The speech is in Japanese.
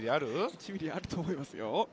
１ｍｍあると思いますよ。